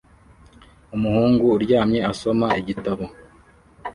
Umuhungu uryamye asoma igitabo